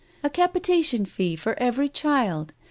A capitation fee for every child.